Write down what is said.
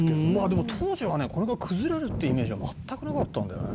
「でも当時はねこれが崩れるってイメージは全くなかったんだよね」